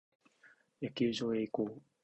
野球場へ移行。